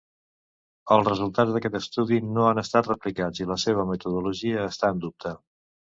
Els resultats d'aquest estudi no han estat replicats, i la seva metodologia està en dubte.